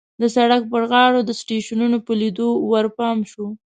د سړک په غاړو د سټېشنونو په لیدو ورپام شو.